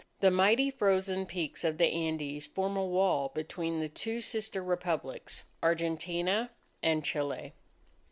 The mighty frozen peaks of the Andes form a wall between the two sister Republics, Argentina and Chile.